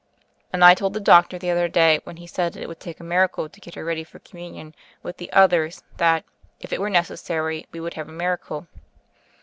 "And I told the doctor the other day when he said that it would take a miracle to get her ready for Communion with the others that, if it were necessary, we would have a miracle."